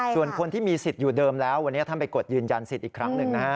ส่วนคนที่มีสิทธิ์อยู่เดิมแล้ววันนี้ท่านไปกดยืนยันสิทธิ์อีกครั้งหนึ่งนะฮะ